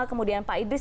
kemudian pak idris